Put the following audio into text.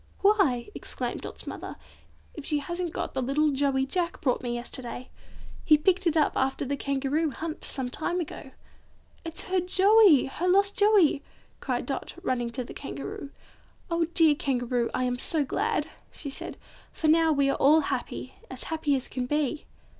"Why!" exclaimed Dot's mother, "if she hasn't got the little Joey Jack brought me yesterday! He picked it up after a Kangaroo hunt some time ago." "It's her Joey; her lost Joey!" cried Dot, running to the Kangaroo. "Oh, dear Kangaroo, I am so glad!" she said, "for now we are all happy; as happy as can be!"